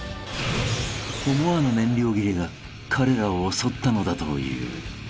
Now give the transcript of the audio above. ［思わぬ燃料切れが彼らを襲ったのだという］